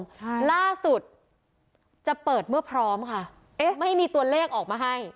ใช่ล่าสุดจะเปิดเมื่อพร้อมค่ะเอ๊ะไม่มีตัวเลขออกมาให้